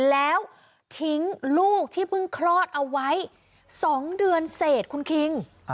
แล้วทิ้งลูกที่เพิ่งคลอดเอาไว้๒เดือนเสร็จคุณคิง